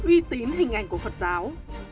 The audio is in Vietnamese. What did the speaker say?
uy tín hình ảnh của phật giáo